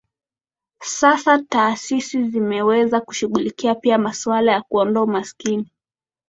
Sasa taasisi zimeanza kushughulikia pia masuala ya kuondoa umasikini